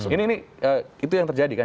ini itu yang terjadi kan